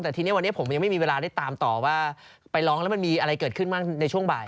แต่ทีนี้วันนี้ผมยังไม่มีเวลาได้ตามต่อว่าไปร้องแล้วมันมีอะไรเกิดขึ้นบ้างในช่วงบ่าย